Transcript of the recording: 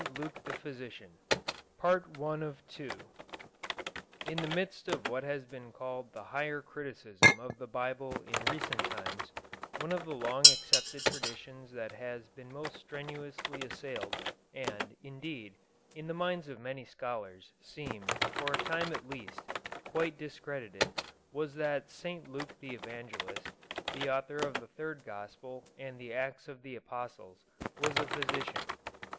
LUKE THE PHYSICIAN In the midst of what has been called the "higher criticism" of the Bible in recent times, one of the long accepted traditions that has been most strenuously assailed and, indeed, in the minds of many scholars, seemed, for a time at least, quite discredited, was that St. Luke the Evangelist, the author of the Third Gospel and the Acts of the Apostles, was a physician.